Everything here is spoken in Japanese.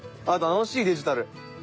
あっ楽しいデジタル。